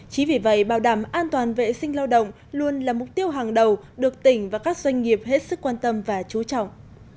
chỉ vì vậy bảo đảm an toàn vệ sinh lao động luôn là mục tiêu hàng đầu được tỉnh và các doanh nghiệp hết sức quan tâm và chú trọng